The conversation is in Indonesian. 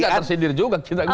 tapi tidak tersindir juga kita